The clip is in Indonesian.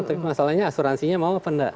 tapi masalahnya asuransinya mau apa enggak